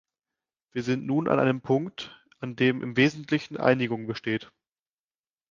Wir sind nun an einem Punkt, an dem im wesentlichen Einigung besteht.